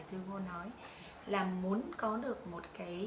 tôi vô nói là muốn có được một cái